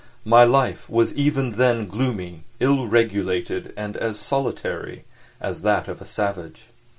My life was even then gloomy, ill regulated, and as solitary as that of a savage.